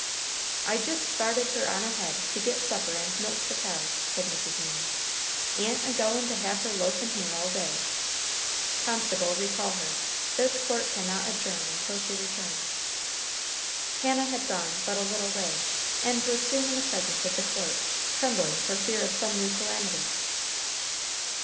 "I jist started her on ahead to git supper and milk the cows," said Mrs. Means. "A'n't a goin' to have her loafin' here all day." "Constable, recall her. This court can not adjourn until she returns!" Hannah had gone but a little way, and was soon in the presence of the court, trembling for fear of some new calamity.